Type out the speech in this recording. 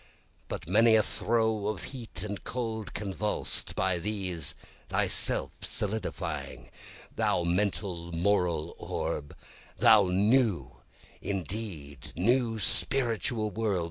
By many a throe of heat and cold convuls'd, (by these thyself solidifying,) Thou mental, moral orb thou New, indeed new, Spiritual World!